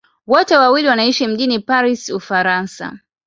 Wote wawili wanaishi mjini Paris, Ufaransa.